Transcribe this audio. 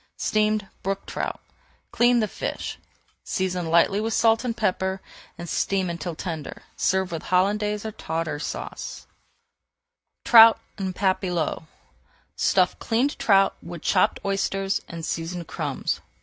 STEAMED BROOK TROUT Clean the fish, season lightly with salt and pepper and steam until tender. Serve with Hollandaise or Tartar Sauce. [Page 427] TROUT EN PAPILLOTES Stuff cleaned trout with chopped oysters and seasoned crumbs.